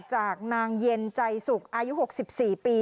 จากนางเย็นใจสุขอายุหกสิบสี่ปี